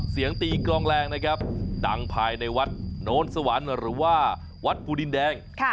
เสียงตีกลองแรงนะครับดังภายในวัดโน้นสวรรค์หรือว่าวัดภูดินแดง